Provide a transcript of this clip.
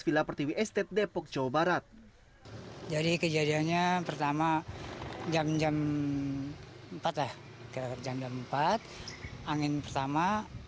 seperti wst depok jawa barat jadi kejadiannya pertama jam jam empat jam empat angin pertama